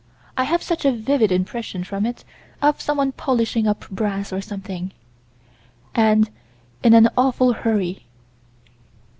I have such a vivid impression from it of someone polishing up brass or something, and in an awful hurry.